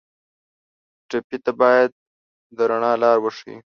ټپي ته باید د رڼا لار وښیو.